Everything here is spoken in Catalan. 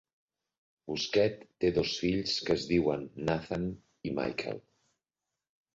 Bousquet té dos fills que es diuen Nathan i Michael.